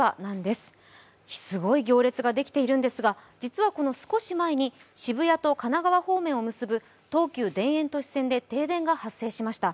すごい行列ができているんですが、実はこの少し前に渋谷と神奈川方面を結ぶ東急田園都市線で停電が発生しました。